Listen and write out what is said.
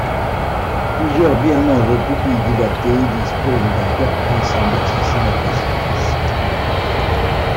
Plusieurs birmans aux pupilles dilatées disposent d'un caprice en durcissant la pacifiste.